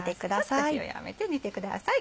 ちょっと火を弱めて煮てください。